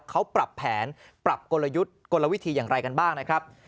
เขาปรับแผนปรับกลยุทธ์กลวิธีอย่างไรกันบ้างนะครับ